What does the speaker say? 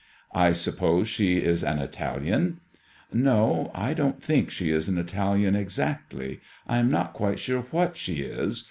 I suppose she is an Italian 7 No, I don't think she is an Italian exactly. I am not quite sure what she is.